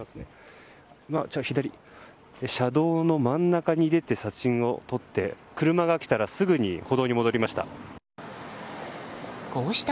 車道の真ん中に出て写真を撮って車が来たらすぐに歩道に戻りました。